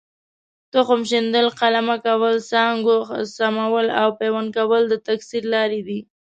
تخم شیندل، قلمه کول، څانګو څملول او پیوند کول د تکثیر لارې دي.